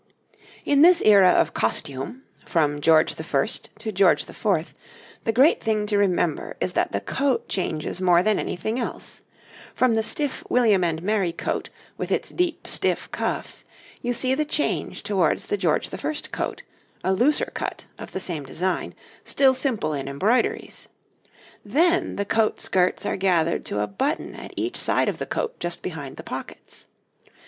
[Illustration: {A man of the time of George II.; a wig; breeches and stockings}] In this era of costume from George I. to George IV. the great thing to remember is that the coat changes more than anything else; from the stiff William and Mary coat with its deep, stiff cuffs, you see the change towards the George I. coat, a looser cut of the same design, still simple in embroideries; then the coat skirts are gathered to a button at each side of the coat just behind the pockets.